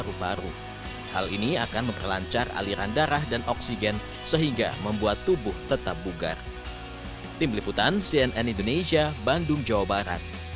hal baru hal ini akan memperlancar aliran darah dan oksigen sehingga membuat tubuh tetap bugar